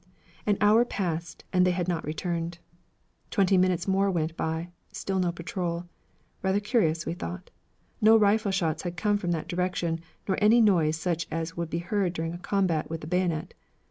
An hour passed and they had not returned. Twenty minutes more went by, still no patrol. Rather curious, we thought. No rifle shots had come from that direction, nor any noise such as would be heard during a combat with the bayonet.